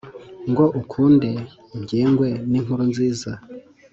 ngo ukunde ugengwe n’inkuru nziza